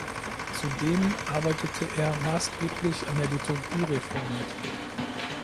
Zudem arbeitete er maßgeblich an der Liturgiereform mit.